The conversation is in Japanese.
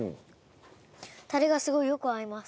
タレがすごいよく合います。